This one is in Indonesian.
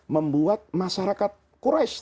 membuat masyarakat quraish